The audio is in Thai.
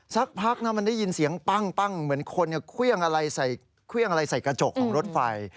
สักพักมันได้ยินเสียงปั้งเหมือนคนเครื่องอะไรใส่กระจกของรถไฟ